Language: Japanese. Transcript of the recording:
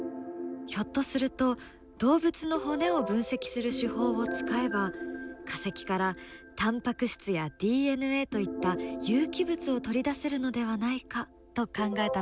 ひょっとすると動物の骨を分析する手法を使えば化石からタンパク質やＤＮＡといった有機物を取り出せるのではないかと考えたのです。